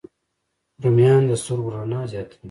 رومیان د سترګو رڼا زیاتوي